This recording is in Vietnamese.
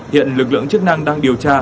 hiện lực lượng chức năng đang điều tra